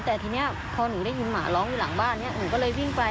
แต่ทีนี้พอหนูได้ยินหมาร้องอยู่หลังบ้านนี้หนูก็เลยวิ่งไป